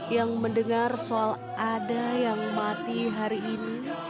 yang mendengar soal ada yang mati hari ini